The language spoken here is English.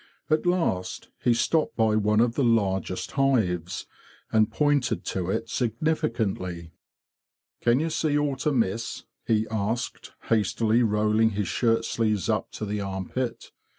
At last he stopped by one of the largest hives, and pointed to it significantly. "Can ye see aught amiss?" he asked, hastily rolling his shirt sleeves up to the armpit.